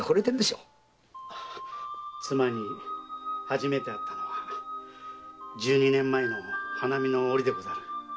妻に初めて会ったのは十二年前の花見の折でござる。